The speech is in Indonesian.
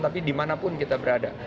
tapi dimanapun kita berada